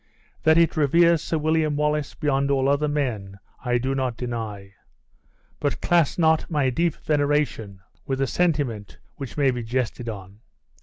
That it reveres Sir William Wallace beyond all other men, I do not deny. But class not my deep veneration with a sentiment which may be jested on!